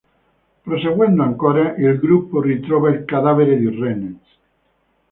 Proseguendo ancora, il gruppo ritrova il cadavere di Rennes.